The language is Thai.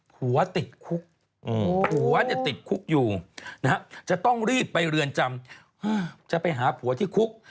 ผัวติดคุกผัวเนี่ยติดคุกอยู่นะฮะจะต้องรีบไปเรือนจำจะไปหาผัวที่คุก